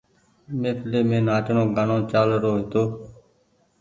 مهڦلي مين نآچڻو گآڻو چآل رو هيتو۔